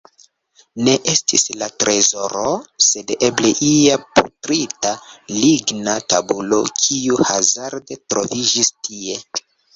Ne estis la trezoro, sed eble ia putrita ligna tabulo, kiu hazarde troviĝis tie.